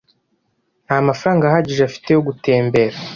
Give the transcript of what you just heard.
Nta mafaranga ahagije afite yo gutembera.